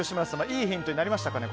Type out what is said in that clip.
いいヒントになりましたかね。